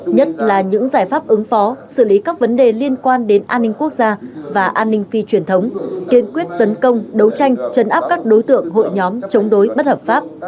nhất là những giải pháp ứng phó xử lý các vấn đề liên quan đến an ninh quốc gia và an ninh phi truyền thống kiên quyết tấn công đấu tranh chấn áp các đối tượng hội nhóm chống đối bất hợp pháp